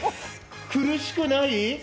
苦しくない？